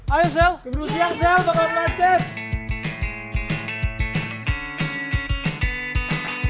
ayo sel kebun siang sel bakal belajar